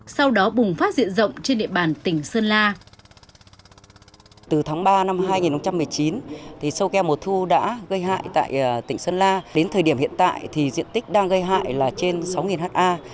sau đó bùng phát diện rộng trên địa bàn tỉnh sơn la